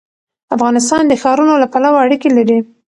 افغانستان د ښارونو له پلوه اړیکې لري.